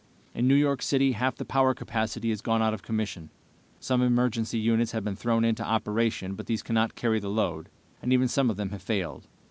"In New York City half the power capacity has gone out of commission. Some emergency units have been thrown into operation, but these cannot carry the load, and even some of them have failed.